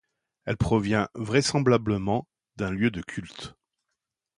Elle provient vraisemblablement d’un lieu de culte.